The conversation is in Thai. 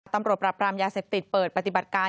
ปรับปรามยาเสพติดเปิดปฏิบัติการ